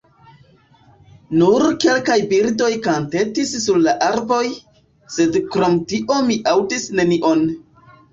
Nur kelkaj birdoj kantetis sur la arboj, sed krom tio mi aŭdis nenion.